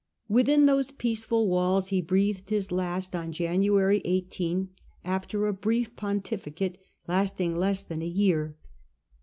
Within those peaceful walls he breathed his last, on January 18, after a brief pontificate, lasting less than a year.